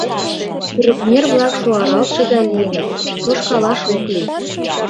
Курыкнер-влак шуаралтше гай лийыныт, тошкалаш ок лий.